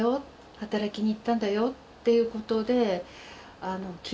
働きに行ったんだよっていうことで聞いていたものですから。